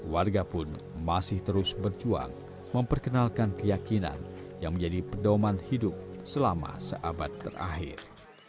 warga pun masih terus berjuang memperkenalkan keyakinan yang menjadi pedoman hidup selama seabad terakhir